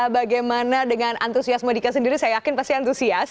bagaimana dengan antusiasme dika sendiri saya yakin pasti antusias